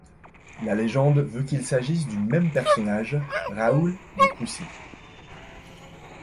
La légende veut qu'il s'agisse du même personnage, Raoul de Coucy.